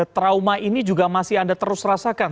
trauma ini juga masih anda terus rasakan